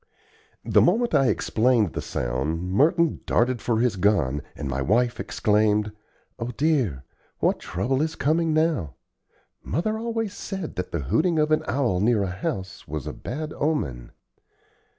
The moment I explained the sound, Merton darted for his gun, and my wife exclaimed: "O dear! what trouble is coming now? Mother always said that the hooting of an owl near a house was a bad omen."